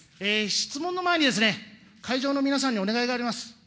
質問の前にですね、会場の皆さんにお願いがあります。